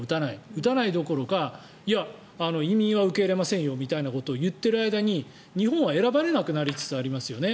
打たないどころかいや、移民は受け入れませんよみたいなことを言っている間に、日本は選ばれなくなりつつありますよね